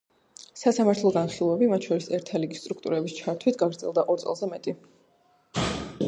სასამართლო განხილვები, მათ შორის ერთა ლიგის სტრუქტურების ჩართვით, გაგრძელდა ორ წელზე მეტი.